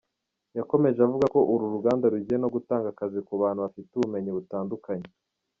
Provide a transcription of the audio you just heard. Yakomeje avuga ko uru ruganda rugiye no gutanga akazi ku bantu bafite ubumenyi butandukanye.